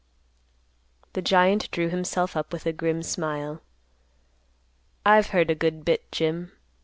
The giant drew himself up with a grim smile, "I've heard a good bit, Jim.